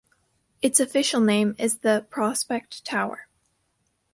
Its official name is The Prospect Tower.